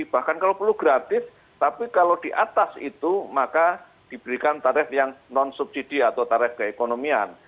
bahkan kalau perlu gratis tapi kalau di atas itu maka diberikan tarif yang non subsidi atau tarif keekonomian